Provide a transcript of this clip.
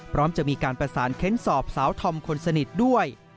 พร้อมจะมีการประสานเค้นสอบสาวธอมคนสนิทด้วย